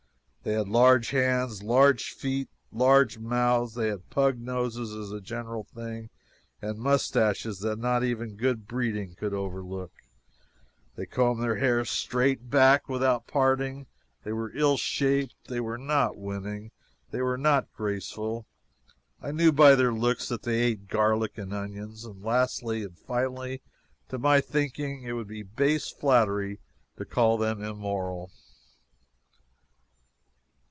They had large hands, large feet, large mouths; they had pug noses as a general thing, and moustaches that not even good breeding could overlook; they combed their hair straight back without parting; they were ill shaped, they were not winning, they were not graceful; I knew by their looks that they ate garlic and onions; and lastly and finally, to my thinking it would be base flattery to call them immoral.